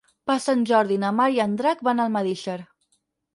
Per Sant Jordi na Mar i en Drac van a Almedíxer.